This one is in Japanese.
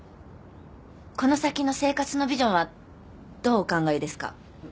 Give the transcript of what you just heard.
この先の生活のビジョンはどうお考えですか？